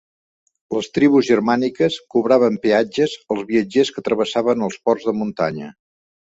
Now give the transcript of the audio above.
Les tribus germàniques cobraven peatges als viatgers que travessaven els ports de muntanya.